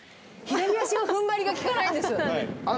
左足の踏ん張りが利かないんです。